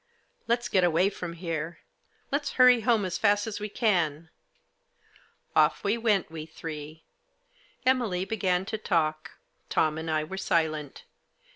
" Let's get away from here ; let's hurry home as fast as we can." Off we went, we three. Emily began to talk. Tom and I were silent.